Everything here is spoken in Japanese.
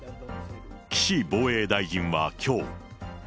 岸防衛大臣はきょう。